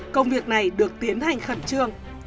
công việc này được tiến hành khẩn trương